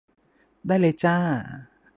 ได้เลยจ้า